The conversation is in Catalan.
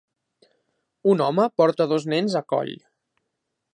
Un home porta dos nens a coll.